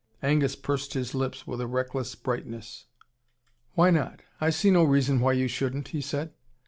Angus pursed his lips with a reckless brightness. "Why not? I see no reason why you shouldn't," he said.